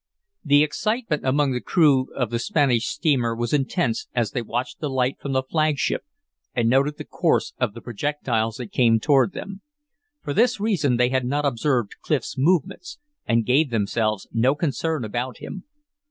The excitement among the crew of the Spanish steamer was intense as they watched the light from the flagship and noted the course of the projectiles that came toward them. For this reason they had not observed Clif's movements, and gave themselves no concern about him.